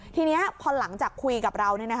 ทีนี้พอหลังจากคุยกับเรา